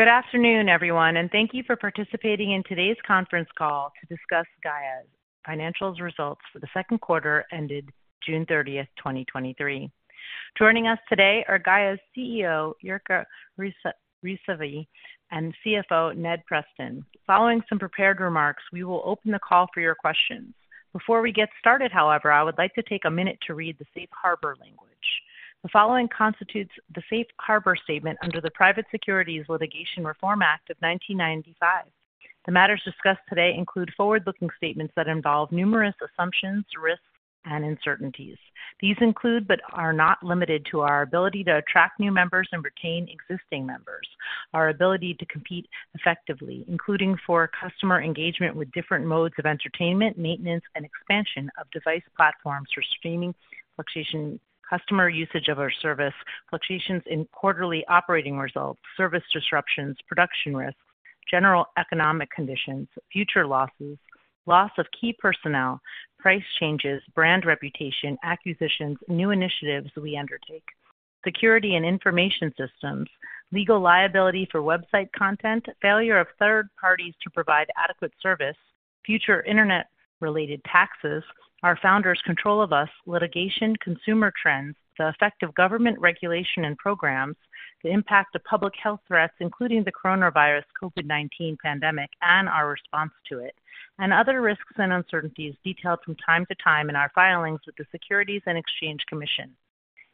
Good afternoon, everyone, thank you for participating in today's conference call to discuss Gaia's financials results for the second quarter ended June thirtieth, 2023. Joining us today are Gaia's CEO, Jirka Rysavy, and CFO, Ned Preston. Following some prepared remarks, we will open the call for your questions. Before we get started, however, I would like to take a minute to read the Safe Harbor language. The following constitutes the Safe Harbor statement under the Private Securities Litigation Reform Act of 1995. The matters discussed today include forward-looking statements that involve numerous assumptions, risks, and uncertainties. These include, but are not limited to, our ability to attract new members and retain existing members, our ability to compete effectively, including for customer engagement with different modes of entertainment, maintenance, and expansion of device platforms for streaming fluctuation, customer usage of our service, fluctuations in quarterly operating results, service disruptions, production risks, general economic conditions, future losses, loss of key personnel, price changes, brand reputation, acquisitions, new initiatives we undertake, security and information systems, legal liability for website content, failure of third parties to provide adequate service, future internet-related taxes, our founders' control of us, litigation, consumer trends, the effect of government regulation and programs, the impact of public health threats, including the coronavirus COVID-19 pandemic and our response to it, and other risks and uncertainties detailed from time to time in our filings with the Securities and Exchange Commission,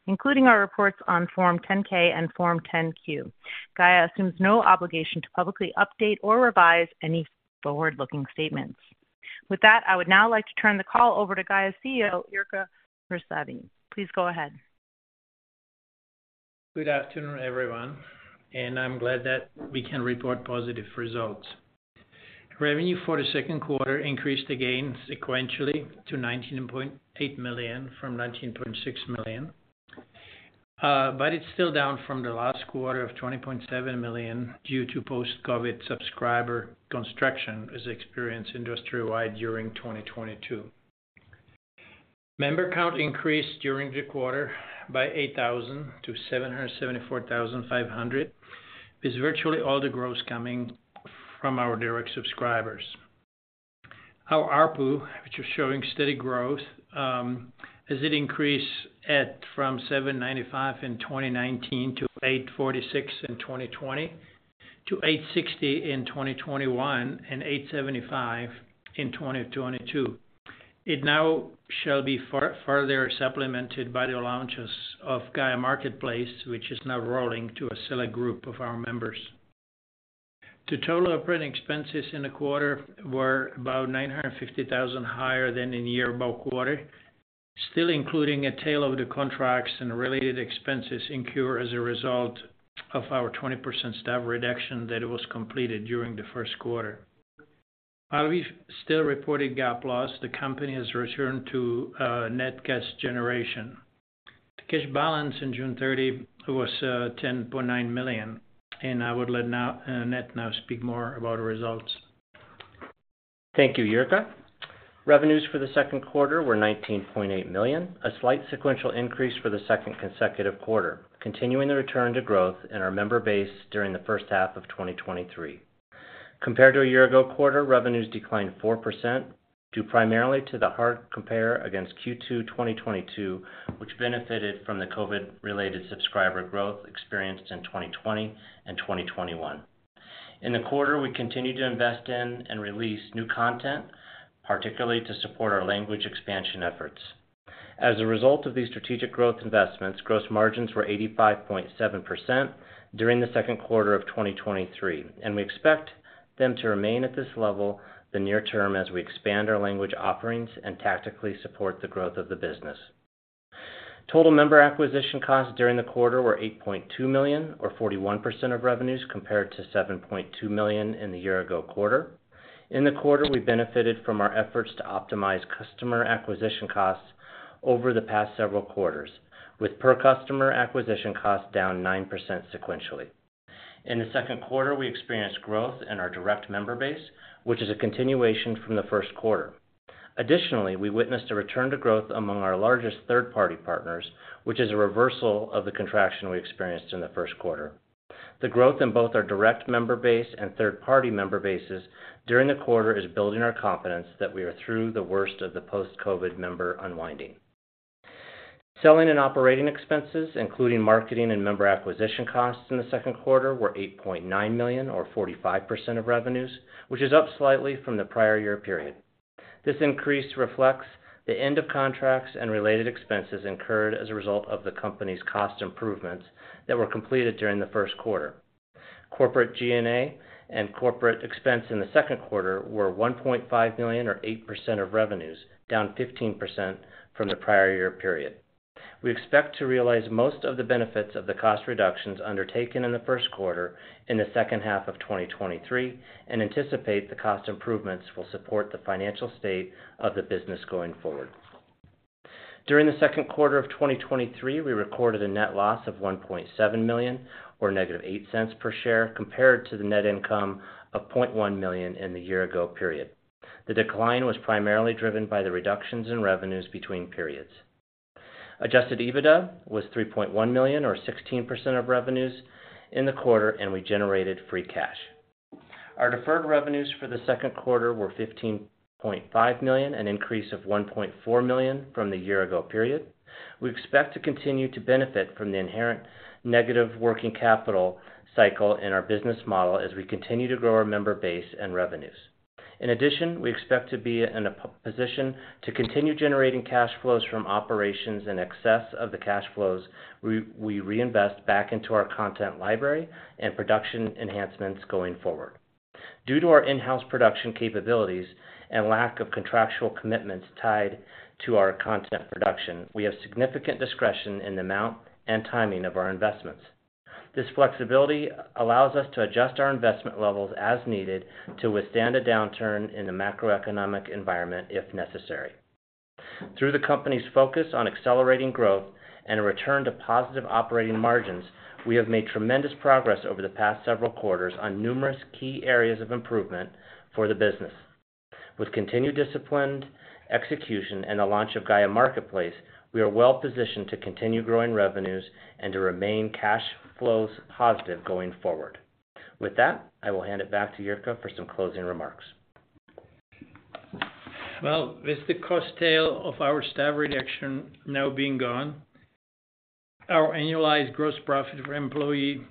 including our reports on Form 10-K and Form 10-Q. Gaia assumes no obligation to publicly update or revise any forward-looking statements. With that, I would now like to turn the call over to Gaia's CEO, Jirka Rysavy. Please go ahead. Good afternoon, everyone. I'm glad that we can report positive results. Revenue for the second quarter increased again sequentially to $19.8 million from $19.6 million. It's still down from the last quarter of $20.7 million due to post-COVID-19 subscriber construction was experienced industry-wide during 2022. Member count increased during the quarter by 8,000 to 774,500, with virtually all the growth coming from our direct subscribers. Our ARPU, which is showing steady growth, as it increased at from $7.95 in 2019 to $8.46 in 2020, to $8.60 in 2021, and $8.75 in 2022. It now shall be far-further supplemented by the launches of Gaia Marketplace, which is now rolling to a select group of our members. The total operating expenses in the quarter were about $950,000 higher than in the year-ago quarter, still including a tail of the contracts and related expenses incurred as a result of our 20% staff reduction that was completed during the first quarter. While we've still reported GAAP loss, the company has returned to net cash generation. The cash balance in June 30 was $10.9 million. I would let now Ned now speak more about the results. Thank you, Jirka. Revenues for the second quarter were $19.8 million, a slight sequential increase for the second consecutive quarter, continuing the return to growth in our member base during the first half of 2023. Compared to a year-ago quarter, revenues declined 4%, due primarily to the hard compare against Q2 2022, which benefited from the COVID-19 related subscriber growth experienced in 2020 and 2021. In the quarter, we continued to invest in and release new content, particularly to support our language expansion efforts. As a result of these strategic growth investments, gross margins were 85.7% during the second quarter of 2023. We expect them to remain at this level the near term as we expand our language offerings and tactically support the growth of the business. Total member acquisition costs during the quarter were $8.2 million, or 41% of revenues, compared to $7.2 million in the year-ago quarter. In the quarter, we benefited from our efforts to optimize customer acquisition costs over the past several quarters, with per customer acquisition costs down 9% sequentially. In the second quarter, we experienced growth in our direct member base, which is a continuation from the first quarter. Additionally, we witnessed a return to growth among our largest third-party partners, which is a reversal of the contraction we experienced in the first quarter. The growth in both our direct member base and third-party member bases during the quarter is building our confidence that we are through the worst of the post-COVID-19 member unwinding. Selling and operating expenses, including marketing and member acquisition costs in the second quarter, were $8.9 million or 45% of revenues, which is up slightly from the prior year period. This increase reflects the end of contracts and related expenses incurred as a result of the company's cost improvements that were completed during the first quarter. Corporate G&A and corporate expense in the second quarter were $1.5 million or 8% of revenues, down 15% from the prior year period. We expect to realize most of the benefits of the cost reductions undertaken in the first quarter in the second half of 2023 and anticipate the cost improvements will support the financial state of the business going forward. During the second quarter of 2023, we recorded a net loss of $1.7 million or negative $0.08 per share, compared to the net income of $0.1 million in the year-ago period. The decline was primarily driven by the reductions in revenues between periods. Adjusted EBITDA was $3.1 million, or 16% of revenues in the quarter, and we generated free cash. Our deferred revenues for the second quarter were $15.5 million, an increase of $1.4 million from the year-ago period. We expect to continue to benefit from the inherent negative working capital cycle in our business model as we continue to grow our member base and revenues. In addition, we expect to be in a position to continue generating cash flows from operations in excess of the cash flows we reinvest back into our content library and production enhancements going forward. Due to our in-house production capabilities and lack of contractual commitments tied to our content production, we have significant discretion in the amount and timing of our investments. This flexibility allows us to adjust our investment levels as needed to withstand a downturn in the macroeconomic environment, if necessary. Through the company's focus on accelerating growth and a return to positive operating margins, we have made tremendous progress over the past several quarters on numerous key areas of improvement for the business. With continued disciplined execution and the launch of Gaia Marketplace, we are well positioned to continue growing revenues and to remain cash flows positive going forward. With that, I will hand it back to Jirka for some closing remarks. Well, with the cost tail of our staff reduction now being gone, our annualized gross profit for employee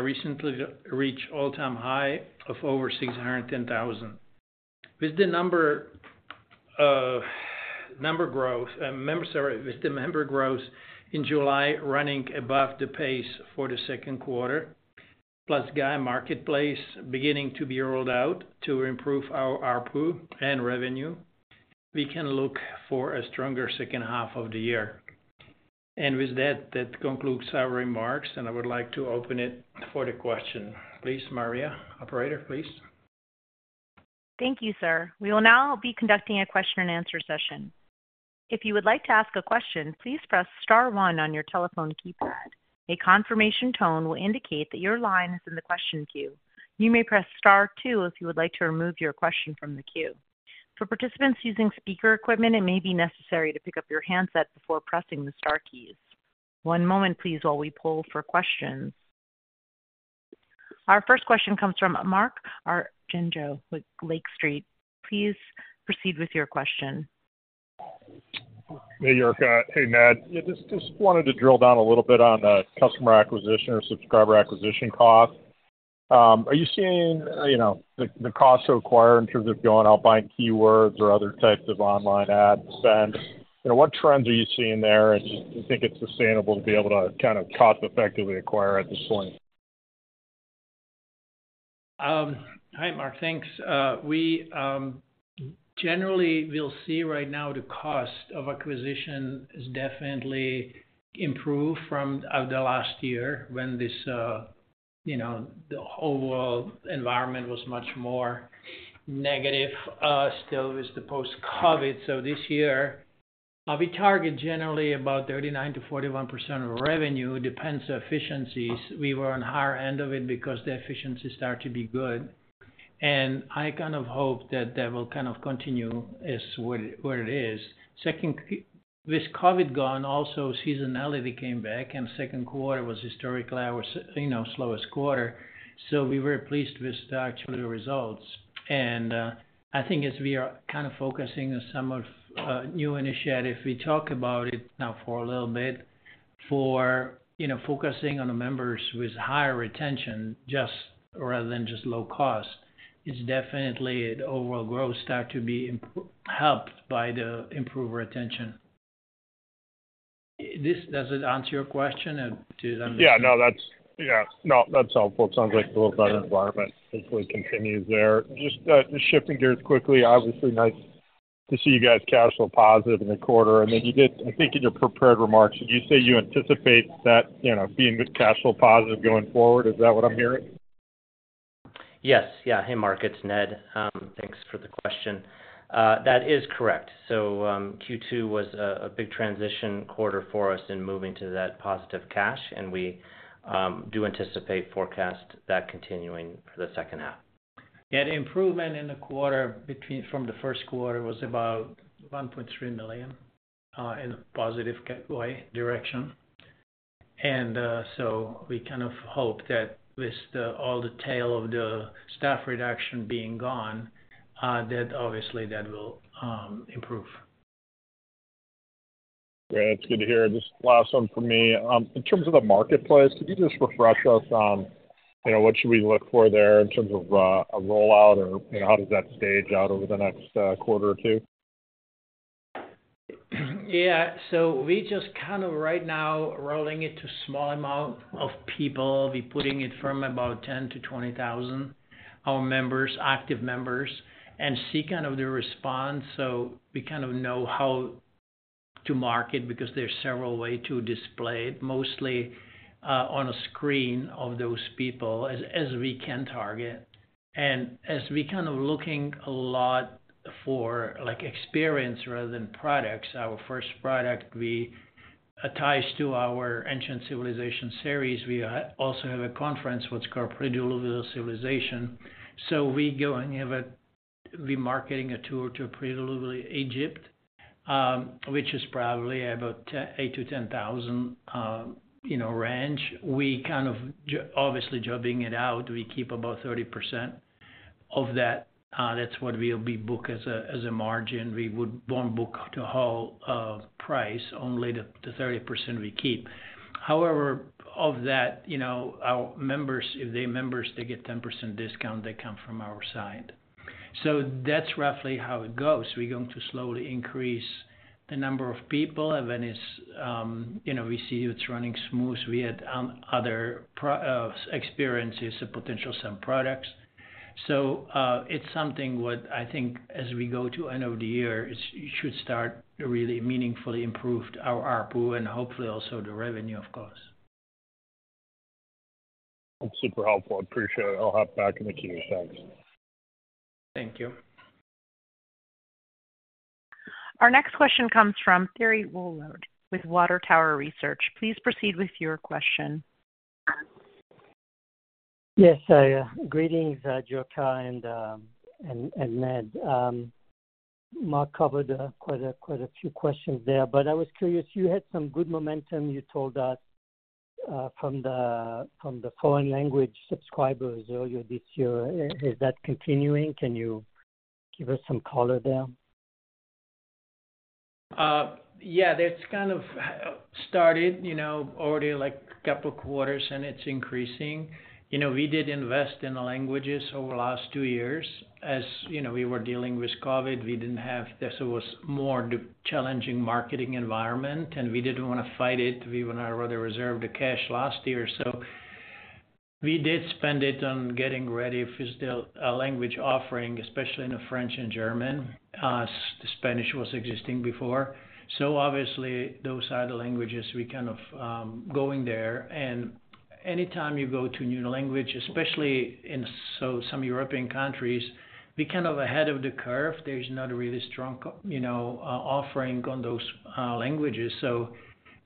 recently reached all-time high of over $610,000. With the member growth in July running above the pace for the second quarter, plus Gaia Marketplace beginning to be rolled out to improve our ARPU and revenue, we can look for a stronger second half of the year. With that, that concludes our remarks, and I would like to open it for the question. Please, Maria, operator, please. Thank you, sir. We will now be conducting a question-and-answer session. If you would like to ask a question, please press Star one on your telephone keypad. A confirmation tone will indicate that your line is in the question queue. You may press Star two if you would like to remove your question from the queue. For participants using speaker equipment, it may be necessary to pick up your handset before pressing the star keys. One moment, please, while we poll for questions. Our first question comes from Mark Argento, with Lake Street. Please proceed with your question. Hey, Jirka. Hey, Ned. Yeah, just, just wanted to drill down a little bit on the Customer Acquisition or Subscriber Acquisition Cost. Are you seeing, you know, the, the cost to acquire in terms of going out buying keywords or other types of online ad spend? You know, what trends are you seeing there, and do you think it's sustainable to be able to kind of cost-effectively acquire at this point? Hi, Mark. Thanks. We, generally, we'll see right now the Cost of Acquisition is definitely improved from the last year when this, you know, the overall environment was much more negative, still with the post-COVID-19. This year, we target generally about 39%-41% of revenue, depends on efficiencies. We were on higher end of it because the efficiency start to be good, and I kind of hope that that will kind of continue is where, where it is. Second, with COVID-19 gone, also seasonality came back, and second quarter was historically our, you know, slowest quarter, so we were pleased with the actual results. I think as we are kind of focusing on some of new initiatives, we talk about it now for a little bit, for, you know, focusing on the members with higher retention, just rather than just low cost. It's definitely the overall growth start to be helped by the improved retention. This does it answer your question, or did I? Yeah. No, that's... Yeah. No, that's helpful. It sounds like a little better environment hopefully continues there. Just, just shifting gears quickly, obviously, nice to see you guys cash flow positive in the quarter. Then you did, I think, in your prepared remarks, did you say you anticipate that, you know, being cash flow positive going forward? Is that what I'm hearing? Yes. Yeah. Hey, Mark, it's Ned. Thanks for the question. That is correct. Q2 was a, a big transition quarter for us in moving to that positive cash, and we do anticipate, forecast that continuing for the second half. Yeah, the improvement in the quarter between, from the first quarter was about $1.3 million in a positive way, direction. So we kind of hope that with the, all the tail of the staff reduction being gone, that obviously that will improve. Great, it's good to hear. Just last one from me. In terms of the marketplace, could you just refresh us on, you know, what should we look for there in terms of a rollout or, you know, how does that stage out over the next quarter or two? Yeah. We just kind of right now rolling it to small amount of people. We're putting it from about 10,000-20,000, our members, active members, and see kind of the response. We kind of know how to market because there are several way to display it, mostly, on a screen of those people as, as we can target. As we kind of looking a lot for, like, experience rather than products, our first product we attach to our Ancient Civilizations series, we also have a conference what's called Pre-Diluvian Civilizations. We going have be marketing a tour to presumably Egypt, which is probably about $8,000-$10,000, you know, range. We kind of obviously jobbing it out, we keep about 30% of that. That's what we'll be book as a, as a margin. We won't book the whole price, only the 30% we keep. However, of that, you know, our members, if they're members, they get 10% discount, they come from our side. That's roughly how it goes. We're going to slowly increase the number of people, and when it's, you know, we see it's running smooth, we add other pro-experiences or potential some products. it's something what I think as we go to end of the year, it's, it should start to really meaningfully improved our ARPU and hopefully also the revenue, of course. That's super helpful, I appreciate it. I'll hop back in the queue. Thanks. Thank you. Our next question comes from Thierry Wuilloud with Water Tower Research. Please proceed with your question. Yes, greetings, Jirka and Ned. Mark covered quite a few questions there, but I was curious, you had some good momentum, you told us, from the foreign language subscribers earlier this year. Is that continuing? Can you give us some color there? Yeah, that's kind of started, you know, already like a couple quarters, and it's increasing. You know, we did invest in the languages over the last 2 years. As, you know, we were dealing with COVID-19, this was more the challenging marketing environment, and we didn't wanna fight it. We wanna rather reserve the cash last year. We did spend it on getting ready for the language offering, especially in the French and German, the Spanish was existing before. Obviously, those are the languages we kind of going there. Anytime you go to a new language, especially in so some European countries, we're kind of ahead of the curve. There's not a really strong, you know, offering on those languages.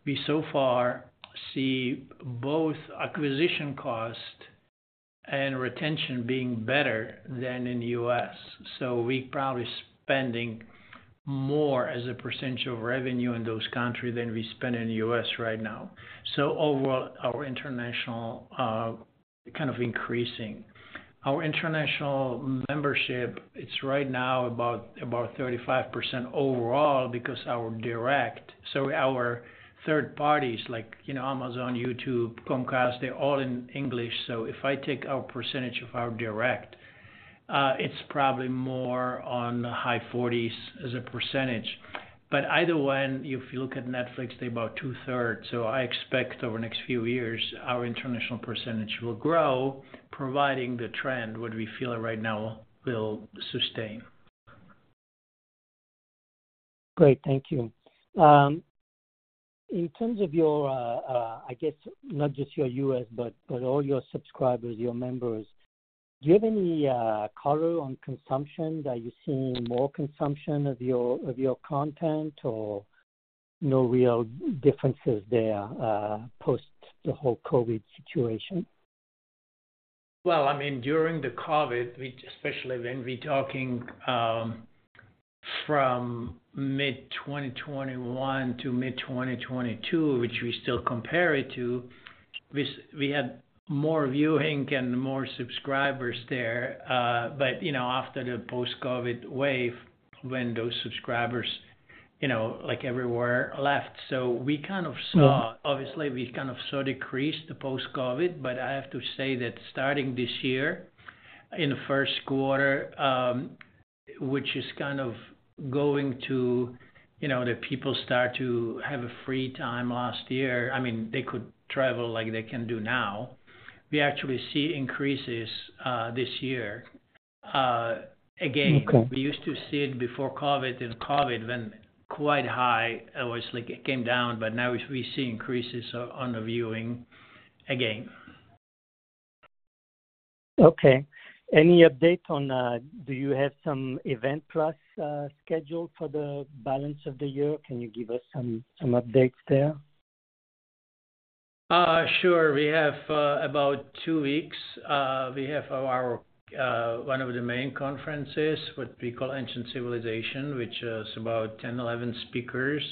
We so far see both acquisition cost and retention being better than in the U.S. We probably spending more as a percentage of revenue in those countries than we spend in the U.S. right now. Overall, our international, kind of increasing. Our international membership, it's right now about 35% overall because our direct... Our third parties, like, you know, Amazon, YouTube, Comcast, they're all in English. If I take our percentage of our direct, it's probably more on the high forties as a percentage. Either way, if you look at Netflix, they're about 2/3. I expect over the next few years, our international percentage will grow, providing the trend, what we feel right now will sustain. Great, thank you. In terms of your, I guess, not just your U.S., but, but all your subscribers, your members, do you have any color on consumption? Are you seeing more consumption of your, of your content or no real differences there, post the whole COVID-19 situation? Well, I mean, during the COVID-19, which especially when we're talking, from mid-2021 to mid-2022, which we still compare it to, we had more viewing and more subscribers there. But, you know, after the post-COVID-19 wave, when those subscribers, you know, like everywhere, left. We kind of saw. Mm. Obviously, we kind of saw decrease the post-COVID-19, but I have to say that starting this year, in the first quarter, which is kind of going to, you know, the people start to have a free time last year. I mean, they could travel like they can do now. We actually see increases this year, again. Okay. We used to see it before COVID-19. In COVID-19, went quite high. Obviously, it came down. Now we see increases on the viewing again. Okay. Any update on, Do you have some Event Plus, scheduled for the balance of the year? Can you give us some, some updates there? Sure. We have about two weeks. We have our one of the main conferences, what we call Ancient Civilization, which is about 10, 11 speakers,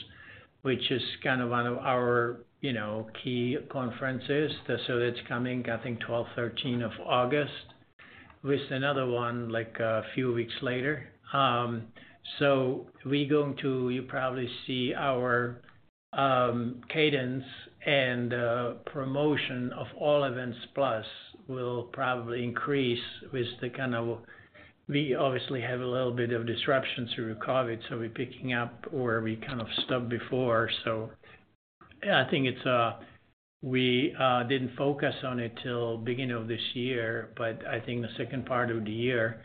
which is kind of one of our, you know, key conferences. It's coming, I think, 12, 13 of August, with another one, like, a few weeks later. You probably see our cadence and promotion of all events plus will probably increase with the kind of, we obviously have a little bit of disruption through COVID-19, we're picking up where we kind of stopped before. I think it's, we didn't focus on it till beginning of this year, but I think the second part of the year,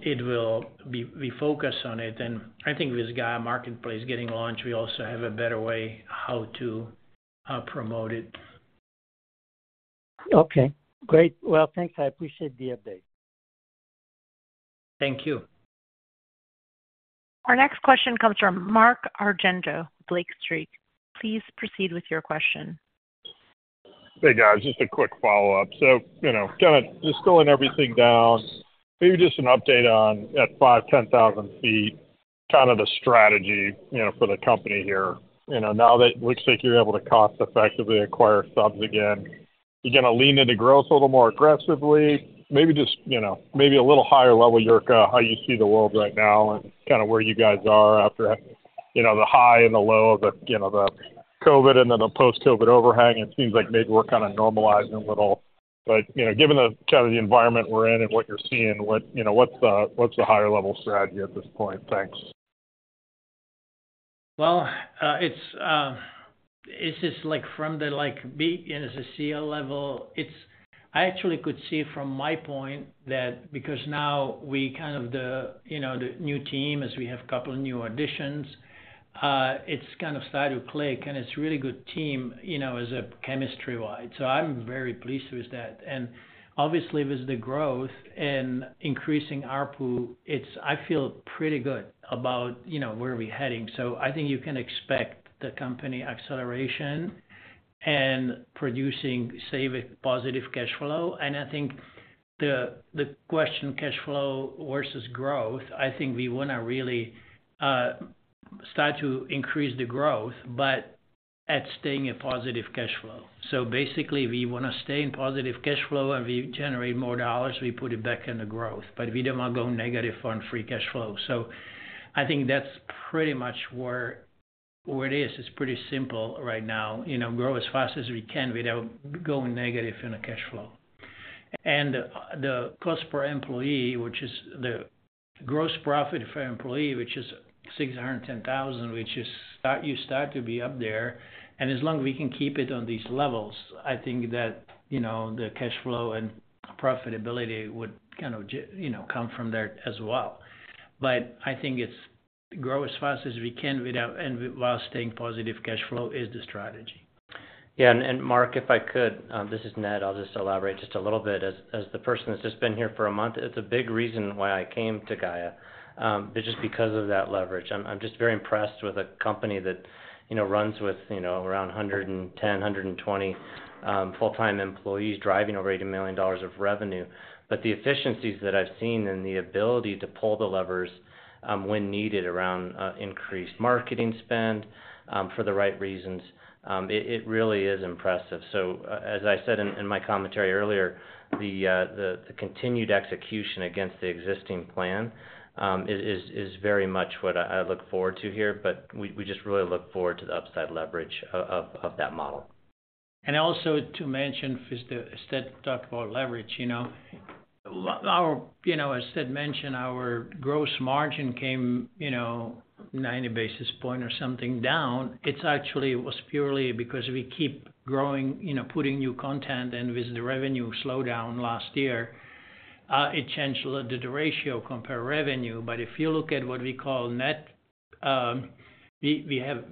it will be, we focus on it. I think with Gaia Marketplace getting launched, we also have a better way how to promote it. Okay, great. Well, thanks. I appreciate the update. Thank you. Our next question comes from Mark Argento, Lake Street. Please proceed with your question. Hey, guys, just a quick follow-up. You know, kind of distilling everything down, maybe just an update on at 5, 10,000ft, kind of the strategy, you know, for the company here. You know, now that it looks like you're able to cost effectively acquire subs again, you're gonna lean into growth a little more aggressively. Maybe just, you know, maybe a little higher level, Jyrka, how you see the world right now and kind of where you guys are after, you know, the high and the low of the, you know, the COVID-19 and then the post-COVID-19 overhang, it seems like maybe we're kind of normalizing a little. You know, given the kind of the environment we're in and what you're seeing, what, you know, what's the, what's the higher level strategy at this point? Thanks. Well, it's, it's just like from the, like, be as a CEO level, it's. I actually could see from my point that because now we kind of the, you know, the new team, as we have a couple of new additions, it's kind of start to click, and it's really good team, you know, as a chemistry-wise. I'm very pleased with that. Obviously, with the growth and increasing ARPU, it's. I feel pretty good about, you know, where we're heading. I think you can expect the company acceleration and producing saving positive cash flow. I think the, the question, cash flow versus growth, I think we wanna really, start to increase the growth, but at staying a positive cash flow. Basically, we wanna stay in positive cash flow, and we generate more dollars, we put it back in the growth, but we do not go negative on free cash flow. I think that's pretty much where, where it is. It's pretty simple right now. You know, grow as fast as we can without going negative in the cash flow. The, the cost per employee, which is the gross profit per employee, which is $610,000, you start to be up there. As long as we can keep it on these levels, I think that, you know, the cash flow and profitability would kind of you know, come from there as well. I think it's grow as fast as we can and while staying positive cash flow is the strategy. Mark, if I could, this is Ned. I'll just elaborate just a little bit. As, as the person that's just been here for a month, it's a big reason why I came to Gaia, just because of that leverage. I'm, I'm just very impressed with a company that, you know, runs with, you know, around 110, 120 full-time employees, driving over $80 million of revenue. The efficiencies that I've seen and the ability to pull the levers, when needed around increased marketing spend, for the right reasons, it, it really is impressive. As I said in, in my commentary earlier, the, the, the continued execution against the existing plan, is, is, is very much what I, I look forward to here, but we, we just really look forward to the upside leverage of, of that model. Also to mention, since Ned talked about leverage, you know, our, you know, as Ned mentioned, our gross margin came, you know, 90 basis points or something down. It actually was purely because we keep growing, you know, putting new content, and with the revenue slowdown last year, it changed a little, the ratio compare revenue. If you look at what we call net, we, we have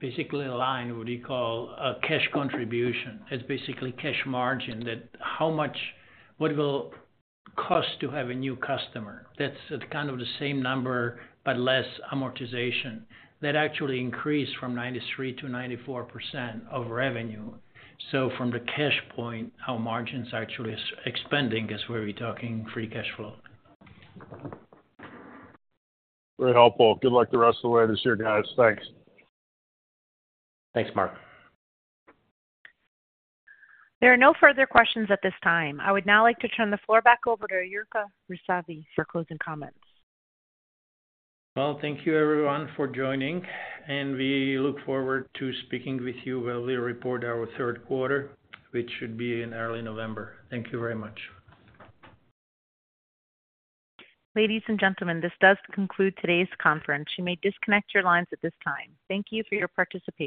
basically a line, what we call a cash contribution. It's basically cash margin, that how much-what will cost to have a new customer? That's kind of the same number, but less amortization. That actually increased from 93% to 94% of revenue. From the cash point, our margins are actually expanding as we're talking free cash flow. Very helpful. Good luck the rest of the way this year, guys. Thanks. Thanks, Mark. There are no further questions at this time. I would now like to turn the floor back over to Jirka Rysavy for closing comments. Well, thank you, everyone, for joining, and we look forward to speaking with you when we report our third quarter, which should be in early November. Thank you very much. Ladies and gentlemen, this does conclude today's conference. You may disconnect your lines at this time. Thank you for your participation.